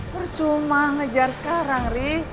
percuma ngejar sekarang ri